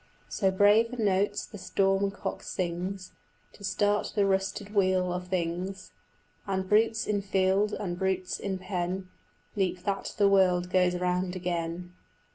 So braver notes the storm cock sings To start the rusted wheel of things, And brutes in field and brutes in pen Leap that the world goes round again.